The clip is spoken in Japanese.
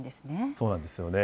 そうなんですよね。